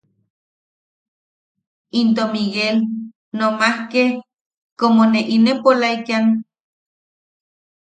Into Miguel nomaske como ne inepolekan.